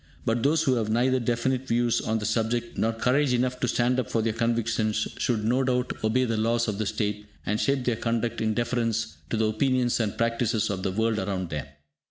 But those who have neither definite views on the subject nor courage enough to stand up for their convictions should no doubt obey the laws of the state, and shape their conduct in deference to the opinions and practices of the world around them.